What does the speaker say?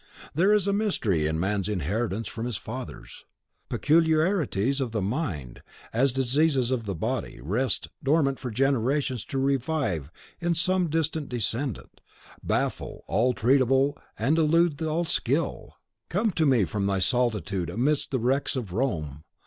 There is a mystery in man's inheritance from his fathers. Peculiarities of the mind, as diseases of the body, rest dormant for generations, to revive in some distant descendant, baffle all treatment and elude all skill. Come to me from thy solitude amidst the wrecks of Rome!